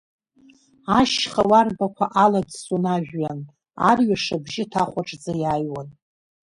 Ашьха уарбақәа алаӡсон ажәҩан, арҩаш абжьы ҭахәаҽӡа иааҩуан.